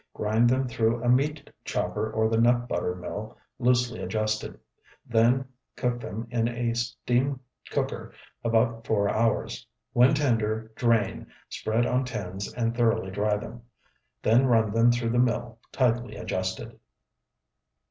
Grind them through a meat chopper or the nut butter mill loosely adjusted. Then cook them in a steam cooker about four hours. When tender, drain, spread on tins, and thoroughly dry them. Then run them through the mill tightly adjusted.